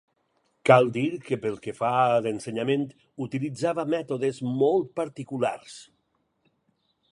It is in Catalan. Cal dir, que pel que fa a l'ensenyament, utilitzava mètodes molt particulars.